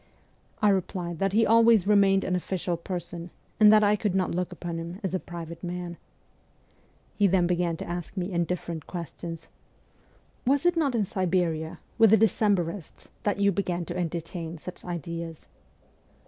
I replied that he always remained an official person, and that I could not look upon him as a private man. He then began to ask me indifferent questions. VOL. II. M 162 MEMOIRS OF A REVOLUTIONIST 1 Was it not in Siberia, with the Decembrists, that you began to entertain such ideas